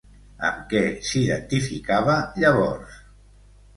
Amb què s'identificava llavors?